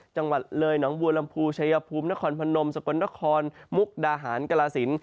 จังหวัดเลยหนองบัวลำพูชายภูมินครพนมสกลนครมุกดาหารกลาศิลป